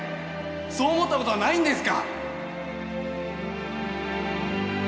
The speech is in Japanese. そう思ったことはないんですか